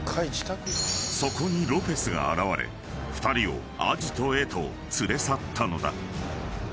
［そこにロペスが現れ２人をアジトへと連れ去ったのだ］